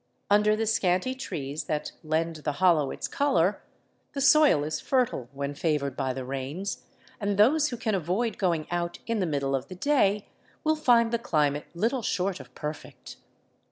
Under the scanty trees that lend the hollow its color the soil is fertile when favored by the rains, and those who can avoid going out in the middle of the day will find the cHmate little short of perfect.